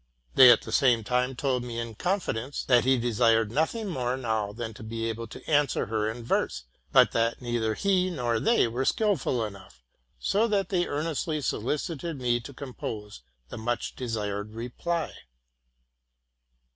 They at the same time told me in confidence, that he desired nothing more now than to be able to answer her in verse ; but that neither he nor they were skilful enough, so that they earnestly solicited me to compose the much desired reply.